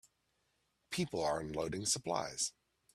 People are unloading supplies